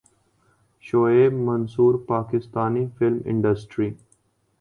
Shoaib Mansoor Pakistani film industry